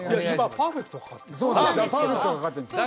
パーフェクトがかかってるんです